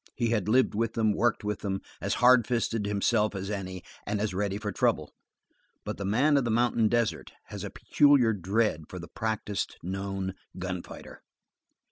He had lived with them, worked with them, as hard fisted himself as any, and as ready for trouble, but the man of the mountain desert has a peculiar dread for the practiced, known gun fighter.